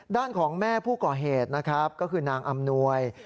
ด้านของแม่ผู้ก่อเหตุนะครับก็คือนางอำนวย